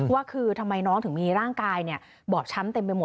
ว่าคือทำไมน้องถึงมีร่างกายบอบช้ำเต็มไปหมด